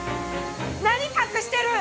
何隠してるん！？